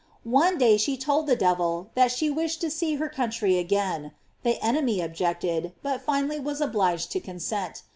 One day she told the devil that she wished to see her country again; the enemy objected, but finally was obliged to consent.